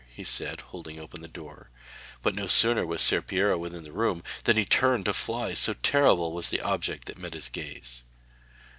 he said holding open the door, but no sooner was Ser Piero within the room than he turned to fly, so terrible was the object that met his gaze.